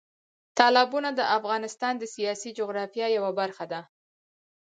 تالابونه د افغانستان د سیاسي جغرافیه یوه برخه ده.